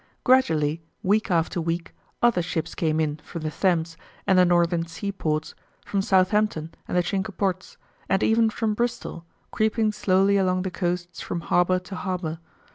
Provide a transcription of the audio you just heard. Gradually, week after week, other ships came in from the Thames, and the northern seaports, from Southampton and the Cinque Ports, and even from Bristol, creeping slowly along the coasts from harbour to harbour.